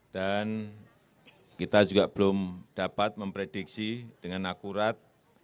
dan kita juga belum dapat memprediksi dengan akurat